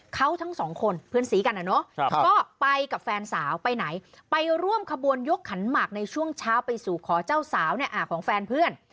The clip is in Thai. เขาทั้งสองคนเพื่อนสีกันอะเนาะก็ไปกับแฟนสาวไปไหนไปร่วมขบวนยกขันหมากในช่วงเช้าไปสู่ขอเจ้าสาวของแฟนเพื่อน